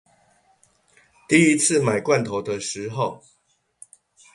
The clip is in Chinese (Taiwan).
第一次買罐頭的時候